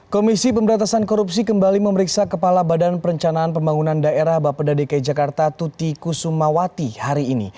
komisi pemberantasan korupsi kembali memeriksa kepala badan perencanaan pembangunan daerah bapeda dki jakarta tuti kusumawati hari ini